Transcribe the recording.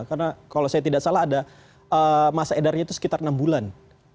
karena kalau saya tidak salah ada masa edarnya itu sekitar enam bulan